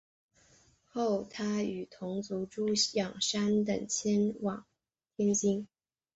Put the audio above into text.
后他与同族朱仰山等迁往天津。